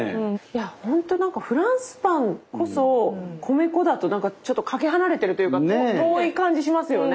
ほんとフランスパンこそ米粉だとなんかちょっとかけ離れてるというか遠い感じしますよね。